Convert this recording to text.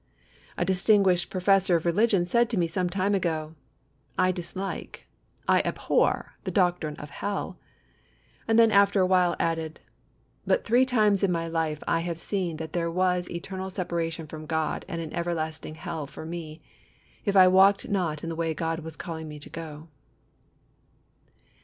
A distinguished professor of religion said to me some time ago, "I dislike, I abhor, the doctrine of Hell"; and then after a while added, "But three times in my life I have seen that there was eternal separation from God and an everlasting Hell for me, if I walked not in the way God was calling me to go."